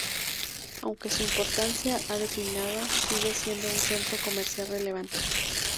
Aunque su importancia ha declinado, sigue siendo un centro comercial relevante.